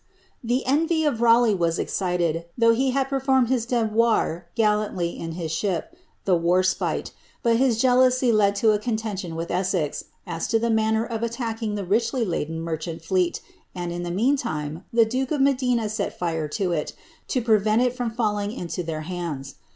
' e envy of Raleigh was excited, though he had performed his de ■ilanUy in his ship, the ^ Warspite;" but his jealousy led to a con D with Essex, as to the manner of attacking the richly laden mer fleet, and, in the meantime, the duke of Medina set fite to it, to Qt it from fitlling into their hands.